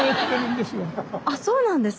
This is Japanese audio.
あっそうなんですか？